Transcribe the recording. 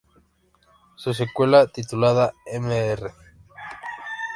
Su secuela, titulada "Mr.